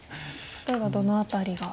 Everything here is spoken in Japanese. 例えばどの辺りが？